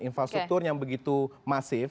infrastruktur yang begitu masif